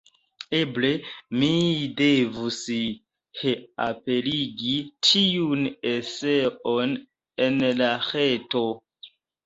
Eble mi devus reaperigi tiun eseon en la reto.